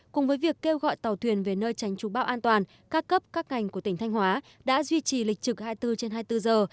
cùng với việc kêu gọi tàu thuyền về nơi tránh trú bão an toàn các cấp các ngành của tỉnh thanh hóa đã duy trì lịch trực hai mươi bốn trên hai mươi bốn giờ